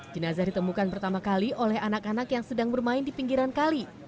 jenazah ditemukan pertama kali oleh anak anak yang sedang bermain di pinggiran kali